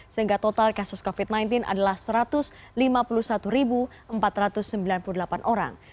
sehingga total kasus covid sembilan belas adalah satu ratus lima puluh satu empat ratus sembilan puluh delapan orang